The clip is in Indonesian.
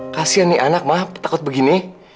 kasian nih anak mah takut begini